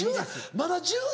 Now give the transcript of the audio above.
まだ１０年？